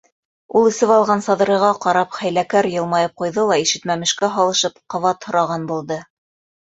Ул эсеп алған Саҙрыйға ҡарап хәйләкәр йылмайып ҡуйҙы ла, ишетмәмешкә һалышып, ҡабат һораған булды: